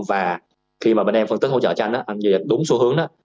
và khi mà bên em phân tích hỗ trợ cho anh đó anh giao dịch đúng xu hướng đó